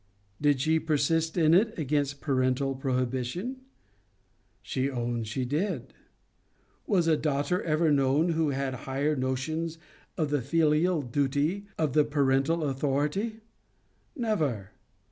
Did she persist in it against parental prohibition? She owns she did. Was a daughter ever known who had higher notions of the filial duty, of the parental authority? Never.